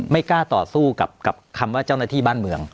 ไม่กล้าต่อสู้กับคำว่าเจ้าหน้าที่บ้านเมือง